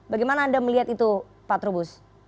bagaimana anda melihat itu pak trubus